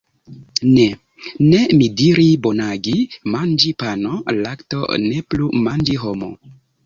Ne, ne, mi diri bonagi, manĝi pano, lakto, ne plu manĝi homo.